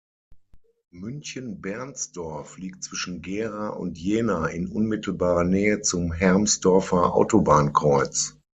Münchenbernsdorf liegt zwischen Gera und Jena in unmittelbarer Nähe zum Hermsdorfer Autobahnkreuz.